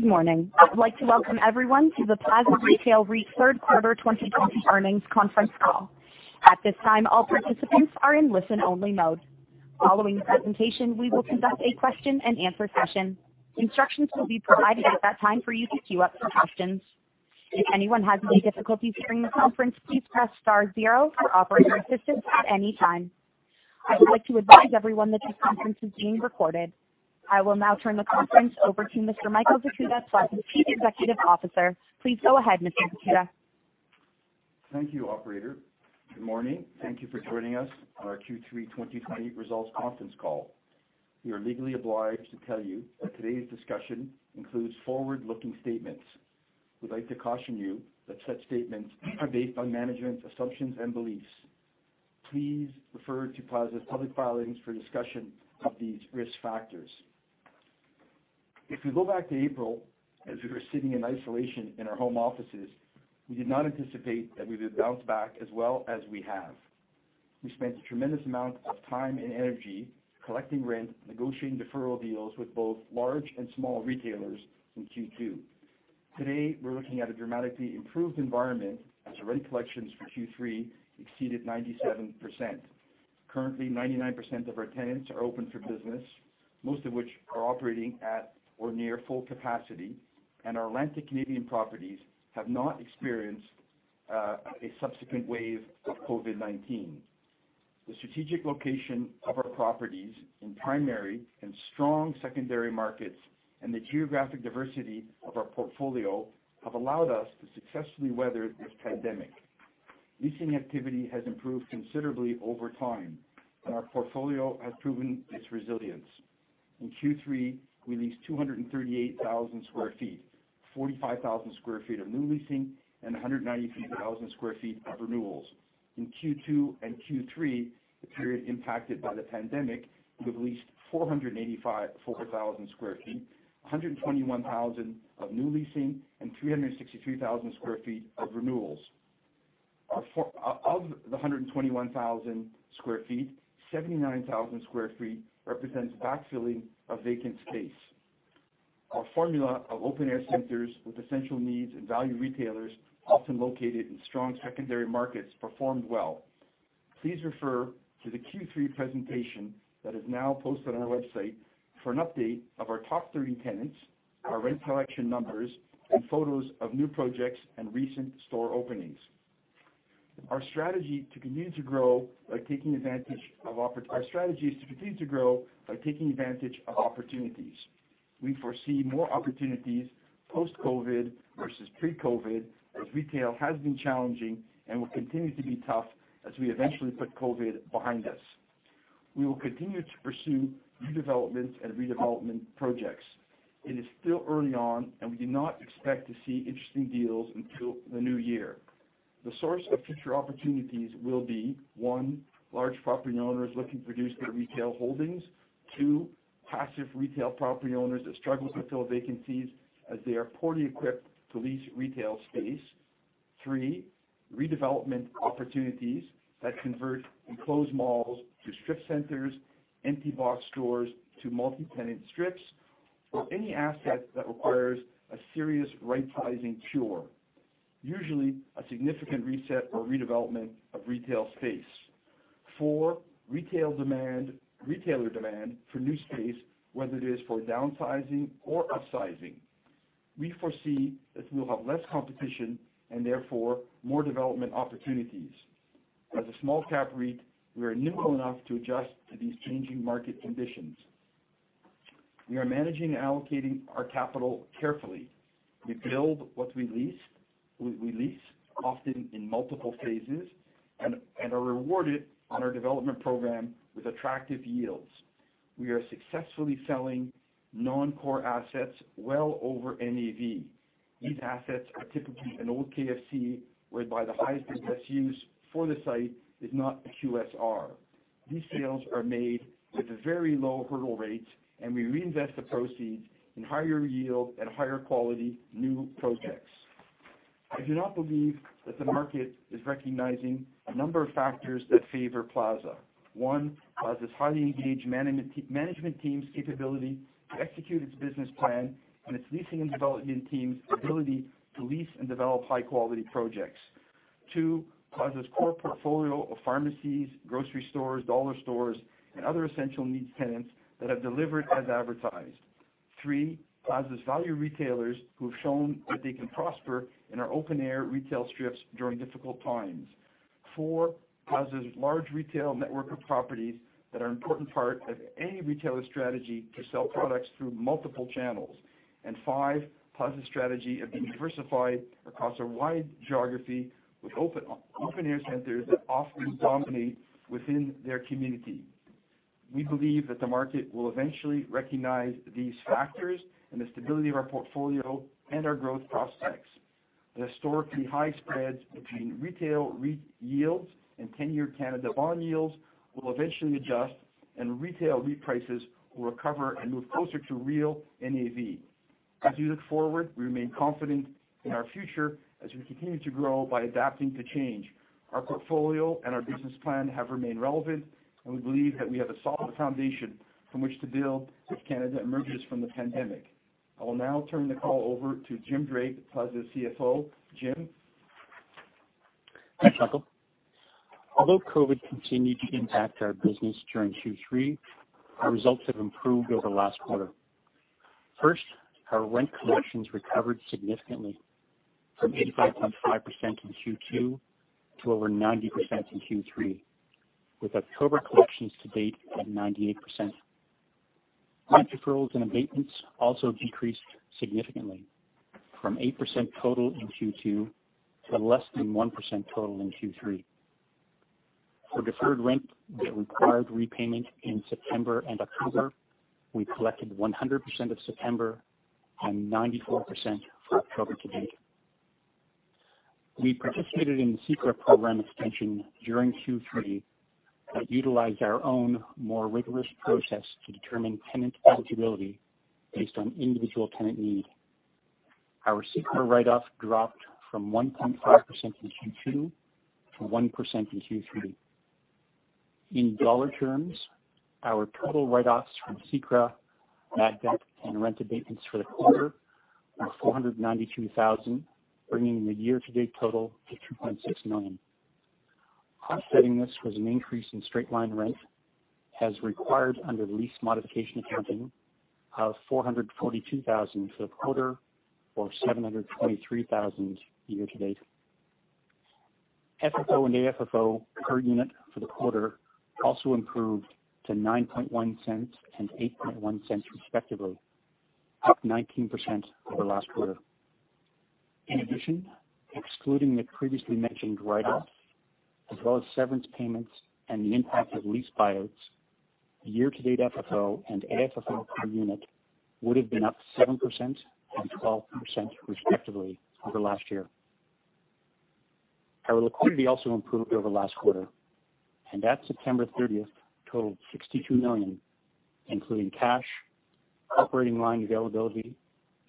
Good morning. I'd like to welcome everyone to the Plaza Retail REIT third quarter 2020 earnings conference call. At this time, all participants are in listen-only mode. Following indication we will conduct a question-and-answer session. Instructions will be provided if it's time for you to queue up. If anyone has any difficulties during the conference please press star zero for operator assistance anytime. I want to remind everyone that this conference is being recorded. I will now turn the conference over to Mr. Michael Zakuta, Plaza's Chief Executive Officer. Please go ahead, Mr. Zakuta. Thank you, operator. Good morning. Thank you for joining us on our Q3 2020 results conference call. We are legally obliged to tell you that today's discussion includes forward-looking statements. We'd like to caution you that such statements are based on management assumptions and beliefs. Please refer to Plaza's public filings for a discussion of these risk factors. If we go back to April, as we were sitting in isolation in our home offices, we did not anticipate that we would bounce back as well as we have. We spent a tremendous amount of time and energy collecting rent, negotiating deferral deals with both large and small retailers in Q2. Today, we're looking at a dramatically improved environment as our rent collections for Q3 exceeded 97%. Currently, 99% of our tenants are open for business, most of which are operating at or near full capacity. Our Atlantic Canadian properties have not experienced a subsequent wave of COVID-19. The strategic location of our properties in primary and strong secondary markets and the geographic diversity of our portfolio have allowed us to successfully weather this pandemic. Leasing activity has improved considerably over time. Our portfolio has proven its resilience. In Q3, we leased 238,000 sq ft, 45,000 sq ft of new leasing, and 193,000 sq ft of renewals. In Q2 and Q3, the period impacted by the pandemic, we've leased 485,000 sq ft, 121,000 sq ftof new leasing, and 363,000 sq ft of renewals. Of the 121,000 sq ft, 79,000 sq ft represents backfilling of vacant space. Our formula of open-air centers with essential needs and value retailers, often located in strong secondary markets, performed well. Please refer to the Q3 presentation that is now posted on our website for an update of our top 30 tenants, our rent collection numbers, and photos of new projects and recent store openings. Our strategy is to continue to grow by taking advantage of opportunities. We foresee more opportunities post-COVID versus pre-COVID as retail has been challenging and will continue to be tough as we eventually put COVID behind us. We will continue to pursue new developments and redevelopment projects. It is still early on, and we do not expect to see interesting deals until the new year. The source of future opportunities will be, one, large property owners looking to reduce their retail holdings. Two, passive retail property owners that struggle to fill vacancies as they are poorly equipped to lease retail space. Three, redevelopment opportunities that convert enclosed malls to strip centers, empty box stores to multi-tenant strips, or any asset that requires a serious right-sizing cure. Usually, a significant reset or redevelopment of retail space. Four, retailer demand for new space, whether it is for downsizing or upsizing. We foresee that we'll have less competition and therefore more development opportunities. As a small cap REIT, we are nimble enough to adjust to these changing market conditions. We are managing and allocating our capital carefully. We build what we lease, often in multiple phases, and are rewarded on our development program with attractive yields. We are successfully selling non-core assets well over NAV. These assets are typically an old KFC, whereby the highest and best use for the site is not a QSR. These sales are made with a very low hurdle rate, and we reinvest the proceeds in higher yield and higher quality new projects. I do not believe that the market is recognizing a number of factors that favor Plaza. One, Plaza's highly engaged management team's capability to execute its business plan and its leasing and development team's ability to lease and develop high-quality projects. Two, Plaza's core portfolio of pharmacies, grocery stores, dollar stores, and other essential needs tenants that have delivered as advertised. Three, Plaza's value retailers who have shown that they can prosper in our open-air retail strips during difficult times. Four, Plaza's large retail network of properties that are an important part of any retailer strategy to sell products through multiple channels. Five, Plaza's strategy of being diversified across a wide geography with open-air centers that often dominate within their community. We believe that the market will eventually recognize these factors and the stability of our portfolio and our growth prospects. The historically high spreads between retail REIT yields and 10-year Canada bond yields will eventually adjust, and retail REIT prices will recover and move closer to real NAV. As we look forward, we remain confident in our future as we continue to grow by adapting to change. Our portfolio and our business plan have remained relevant, and we believe that we have a solid foundation from which to build as Canada emerges from the pandemic. I will now turn the call over to Jim Drake, Plaza's CFO. Jim? Thanks, Michael. Although COVID continued to impact our business during Q3, our results have improved over last quarter. First, our rent collections recovered significantly from 85.5% in Q2 to over 90% in Q3, with October collections to date at 98%. Rent deferrals and abatements also decreased significantly from 8% total in Q2 to less than 1% total in Q3. For deferred rent that required repayment in September and October, we collected 100% of September and 94% for October to date. We participated in the CECRA program extension during Q3 but utilized our own more rigorous process to determine tenant eligibility based on individual tenant need. Our CECRA write-off dropped from 1.5% in Q2 to 1% in Q3. In dollar terms, our total write-offs from CECRA, bad debt, and rent abatements for the quarter were 492,000, bringing the year-to-date total to 2.6 million. Offsetting this was an increase in straight-line rent as required under lease modification accounting of 442,000 for the quarter or 723,000 year-to-date. FFO and AFFO per unit for the quarter also improved to 0.091 and 0.081 respectively, up 19% over the last quarter. In addition, excluding the previously mentioned write-offs as well as severance payments and the impact of lease buyouts, year-to-date FFO and AFFO per unit would have been up 7% and 12%, respectively, over last year. Our liquidity also improved over last quarter, and at September 30th totaled 62 million, including cash, operating line availability,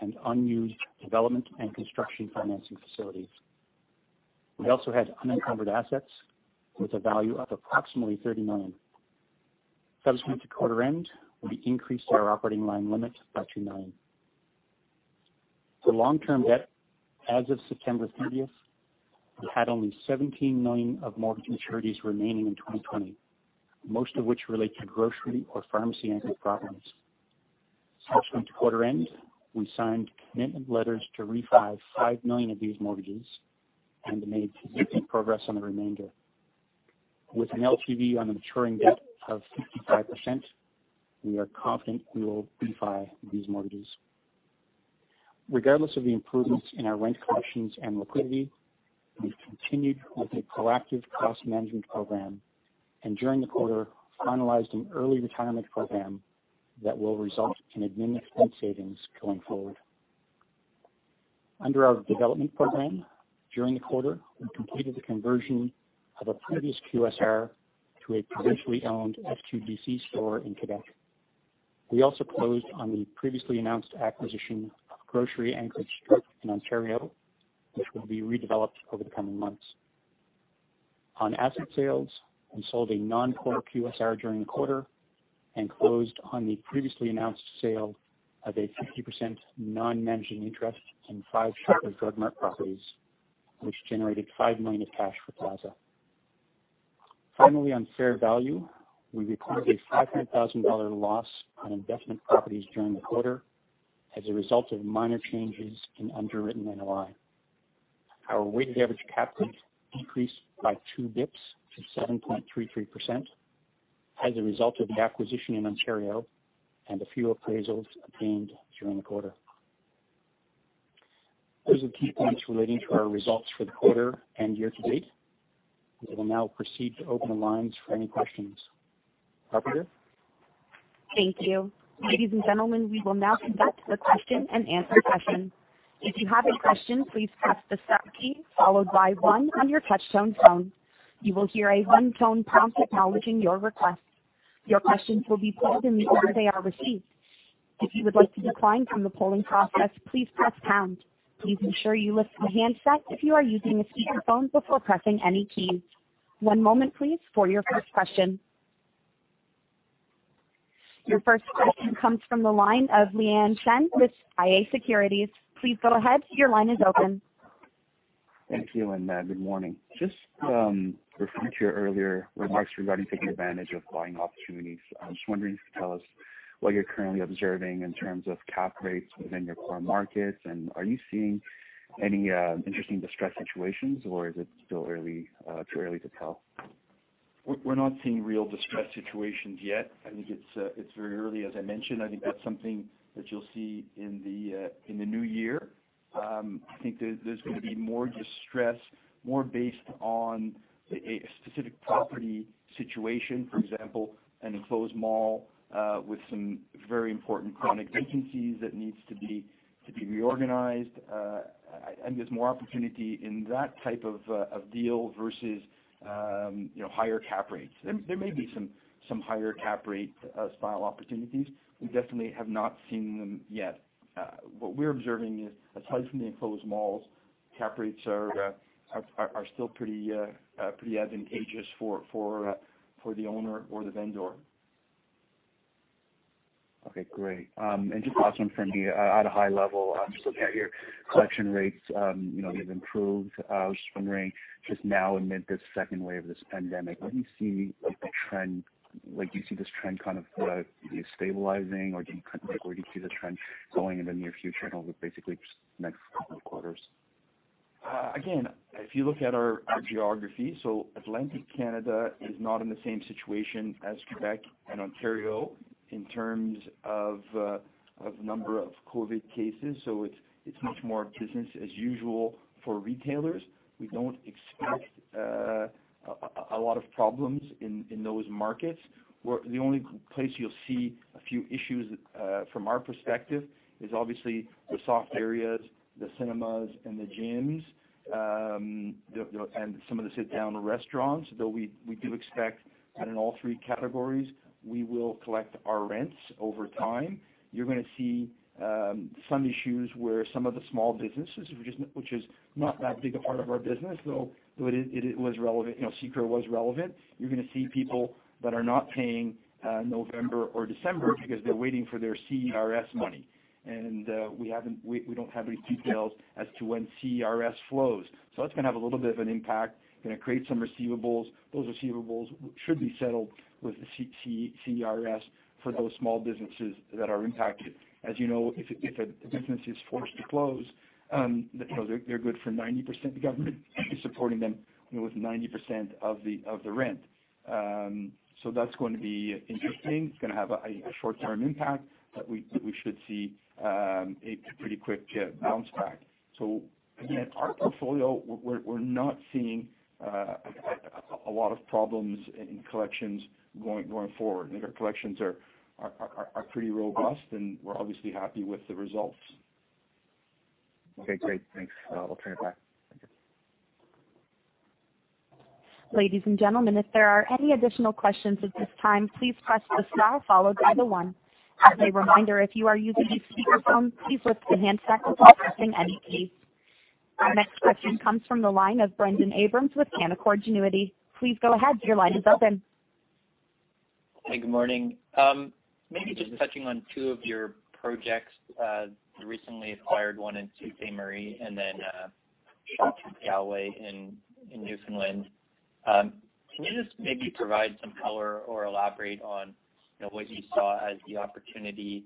and unused development and construction financing facilities. We also had unencumbered assets with a value of approximately 30 million. Subsequent to quarter end, we increased our operating line limit by 2 million. For long-term debt, as of September 30th, we had only 17 million of mortgage maturities remaining in 2020, most of which relate to grocery or pharmacy-anchored properties. Subsequent to quarter end, we signed commitment letters to refi 5 million of these mortgages and made significant progress on the remainder. With an LTV on the maturing debt of 65%, we are confident we will refi these mortgages. Regardless of the improvements in our rent collections and liquidity, we've continued with a proactive cost management program and during the quarter finalized an early retirement program that will result in administrative savings going forward. Under our development program, during the quarter, we completed the conversion of a previous QSR to a provincially-owned SQDC store in Quebec. We also closed on the previously announced acquisition of a grocery anchor strip in Ontario, which will be redeveloped over the coming months. On asset sales, we sold a non-core QSR during the quarter and closed on the previously announced sale of a 50% non-managing interest in five Shoppers Drug Mart properties, which generated 5 million of cash for Plaza. Finally, on fair value, we recorded a 500,000 dollar loss on investment properties during the quarter as a result of minor changes in underwritten NOI. Our weighted average cap rate increased by 2 basis points to 7.33% as a result of the acquisition in Ontario and a few appraisals obtained during the quarter. Those are the key points relating to our results for the quarter and year-to-date. We will now proceed to open the lines for any questions. Operator? Thank you. Ladies and gentlemen, we will now conduct a question-and-answer session. If you have a question, please press the star key followed by one on your touchtone phone. You will hear a one tone confirming your request. Your questions will be queued as received. If you would like to decline from the polling, please press pound. Please ensure you lift a handset if you are using a speaker phone before pressing any key. One moment please for your first question.. Your first question comes from the line of Lorne Kalmar with iA Securities. Please go ahead. Your line is open. Thank you, and good morning. Just referring to your earlier remarks regarding taking advantage of buying opportunities. I was just wondering if you could tell us what you're currently observing in terms of cap rates within your core markets, and are you seeing any interesting distressed situations or is it still too early to tell? We're not seeing real distressed situations yet. I think it's very early, as I mentioned. I think that's something that you'll see in the new year. I think there's going to be more distress, more based on a specific property situation. For example, an enclosed mall with some very important chronic vacancies that needs to be reorganized. I think there's more opportunity in that type of deal versus higher cap rates. There may be some higher cap rate style opportunities. We definitely have not seen them yet. What we're observing is, aside from the enclosed malls, cap rates are still pretty advantageous for the owner or the vendor. Okay, great. Just last one from me. At a high level, I'm just looking at your collection rates, they've improved. I was just wondering, just now amid this second wave of this pandemic, do you see this trend kind of stabilizing, or do you see the trend going in the near future and over basically just next couple of quarters? Again, if you look at our geography. Atlantic Canada is not in the same situation as Quebec and Ontario in terms of number of COVID cases. It's much more business as usual for retailers. We don't expect a lot of problems in those markets. The only place you'll see a few issues, from our perspective, is obviously the soft areas, the cinemas and the gyms, and some of the sit-down restaurants. We do expect that in all three categories, we will collect our rents over time. You're going to see some issues where some of the small businesses, which is not that big a part of our business, though CECRA was relevant. You're going to see people that are not paying November or December because they're waiting for their CERS money. We don't have any details as to when CERS flows. That's going to have a little bit of an impact, going to create some receivables. Those receivables should be settled with the CERS for those small businesses that are impacted. As you know, if a business is forced to close, they're good for 90%. The government is supporting them with 90% of the rent. That's going to be interesting. It's going to have a short-term impact, but we should see a pretty quick bounce back. Again, at our portfolio, we're not seeing a lot of problems in collections going forward. Our collections are pretty robust, and we're obviously happy with the results. Okay, great. Thanks. I'll turn it back. Thank you. Ladies and gentlemen, if there are any additional questions at this time, please press the star followed by the one. As a reminder, if you are using a speakerphone, please lift the handset before pressing any keys. Our next question comes from the line of Brendon Abrams with Canaccord Genuity. Please go ahead, your line is open. Hey, good morning. Maybe just touching on two of your projects. You recently acquired one in Sault Ste. Marie and then, The Shoppes at Galway in Newfoundland. Can you just maybe provide some color or elaborate on what you saw as the opportunity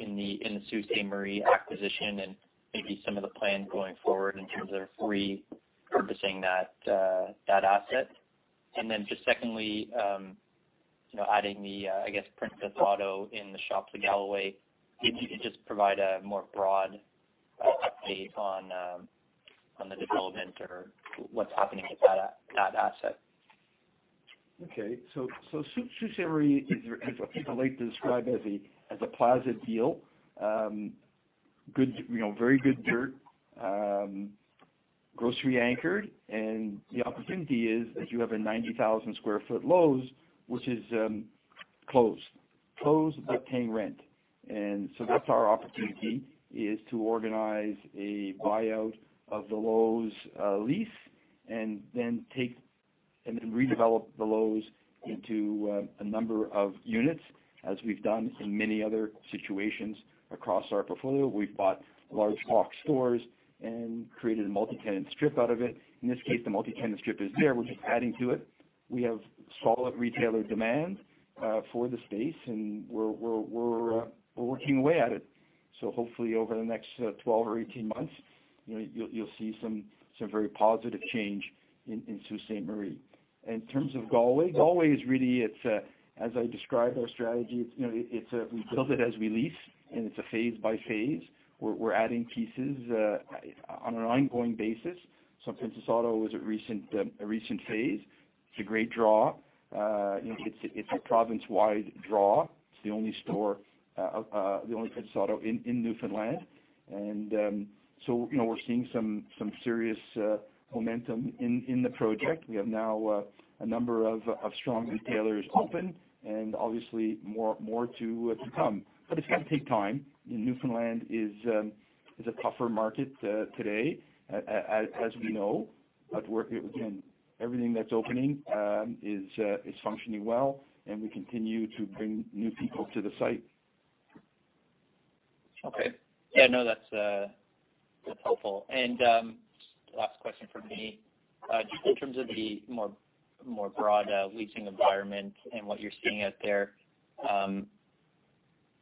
in the Sault Ste. Marie acquisition and maybe some of the plans going forward in terms of repurposing that asset? Secondly, adding the Princess Auto in The Shoppes at Galway, can you just provide a more broad update on the development or what's happening with that asset? Okay. Sault Ste. Marie is, as people like to describe as a plaza deal. Very good dirt. Grocery anchored, the opportunity is that you have a 90,000 sq ft Lowe's, which is closed. Closed, paying rent. That's our opportunity, is to organize a buyout of the Lowe's lease and then redevelop the Lowe's into a number of units as we've done in many other situations across our portfolio. We've bought large box stores and created a multi-tenant strip out of it. In this case, the multi-tenant strip is there. We're just adding to it. We have solid retailer demand for the space, we're working away at it. Hopefully over the next 12 or 18 months, you'll see some very positive change in Sault Ste. Marie. In terms of Galway. Galway is really, as I described our strategy, we build it as we lease. It's a phase by phase. We're adding pieces on an ongoing basis. Princess Auto was a recent phase. It's a great draw. It's a province-wide draw. It's the only Princess Auto in Newfoundland. We're seeing some serious momentum in the project. We have now a number of strong retailers open and obviously more to come. It's going to take time, and Newfoundland is a tougher market today, as we know. Again, everything that's opening is functioning well, and we continue to bring new people to the site. Okay. Yeah, no, that's helpful. Last question from me. Just in terms of the more broad leasing environment and what you're seeing out there.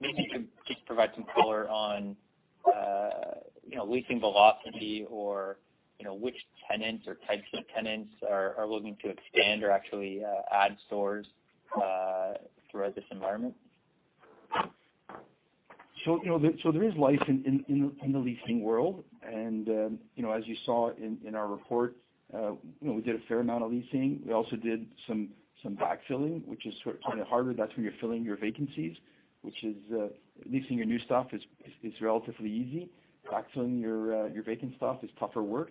Maybe you can just provide some color on leasing velocity or which tenants or types of tenants are looking to expand or actually add stores throughout this environment. There is life in the leasing world. As you saw in our report, we did a fair amount of leasing. We also did some backfilling, which is sort of harder. That's when you're filling your vacancies. Leasing your new stuff is relatively easy. Leasing your vacant stuff is tougher work.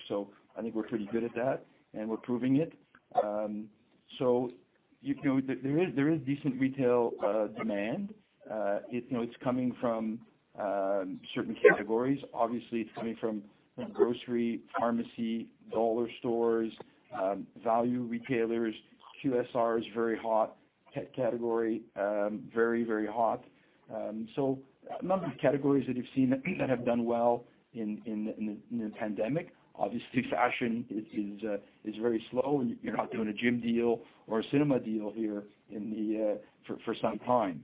I think we're pretty good at that, and we're proving it. There is decent retail demand. It's coming from certain categories. Obviously, it's coming from grocery, pharmacy, dollar stores, value retailers. QSR is very hot category. Very, very hot. A number of categories that you've seen that have done well in the pandemic. Obviously, fashion is very slow, and you're not doing a gym deal or a cinema deal here for some time.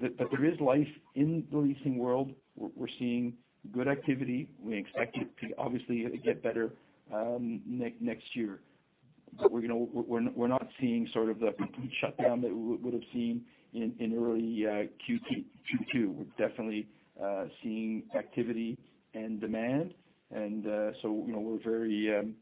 There is life in the leasing world. We're seeing good activity. We expect it to obviously get better next year. We're not seeing the complete shutdown that we would've seen in early Q2. We're definitely seeing activity and demand. We're feeling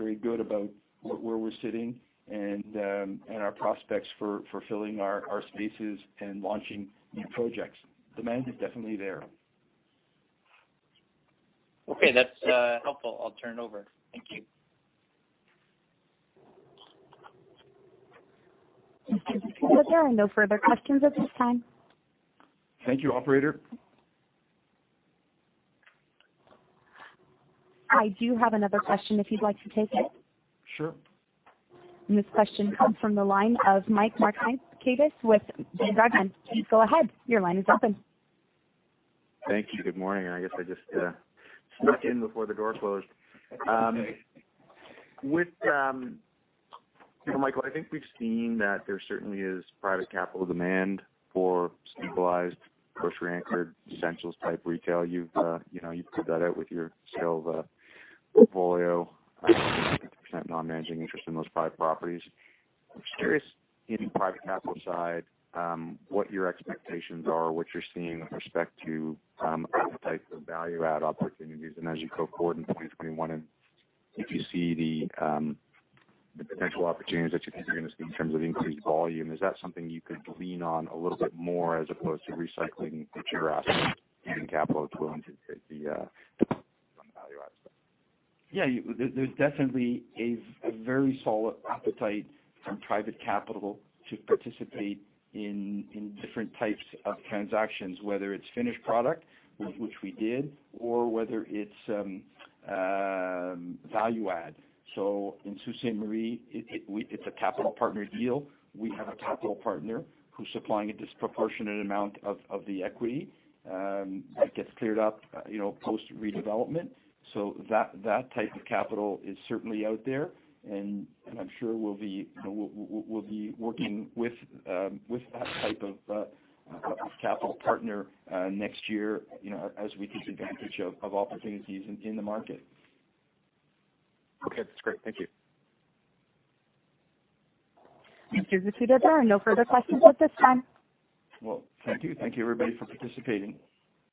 very good about where we're sitting and our prospects for filling our spaces and launching new projects. Demand is definitely there. Okay, that's helpful. I'll turn it over. Thank you. Mr. Zakuta, there are no further questions at this time. Thank you, operator. I do have another question if you'd like to take it. Sure. This question comes from the line of Michael Markidis with BMO. Please go ahead. Your line is open. Thank you. Good morning. I guess I just snuck in before the door closed. Michael, I think we've seen that there certainly is private capital demand for stabilized, grocery-anchored, essentials-type retail. You've proved that out with your sale of a portfolio, 90% non-managing interest in those five properties. I'm just curious, in the private capital side, what your expectations are, what you're seeing with respect to appetite for value-add opportunities, and as you go forward in 2021, if you see the potential opportunities that you think you're going to see in terms of increased volume. Is that something you could lean on a little bit more as opposed to recycling your asset, given capital is willing to take the value-add stuff? Yeah. There's definitely a very solid appetite from private capital to participate in different types of transactions, whether it's finished product, which we did, or whether it's value add. In Sault Ste. Marie, it's a capital partner deal. We have a capital partner who's supplying a disproportionate amount of the equity that gets cleared up, post-redevelopment. That type of capital is certainly out there, and I'm sure we'll be working with that type of capital partner next year, as we take advantage of opportunities in the market. Okay. That's great. Thank you. Mr. Zakuta, there are no further questions at this time. Well, thank you. Thank you everybody for participating.